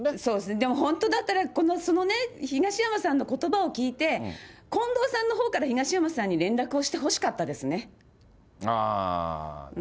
でも本当だったら、東山さんのことばを聞いて、近藤さんのほうから東山さんに連絡をしてほしかったですね。